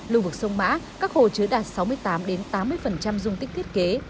lưu vực sông mã các hồ chứa đạt sáu mươi tám tám mươi dung tích thiết kế